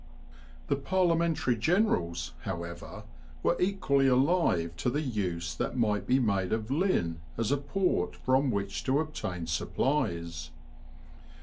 The Parliamentary generals, however, were equally alive to the use that might be made of Lynn as a port from which to obtain supplies.